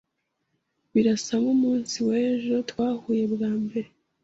Birasa nkumunsi wejo twahuye bwa mbere.